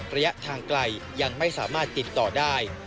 ระยะทางไกลยังไม่สามารถติดต่อได้